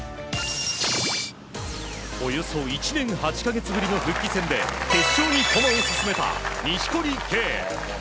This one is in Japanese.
およそ１年８か月ぶりの復帰戦で決勝に駒を進めた錦織圭選手。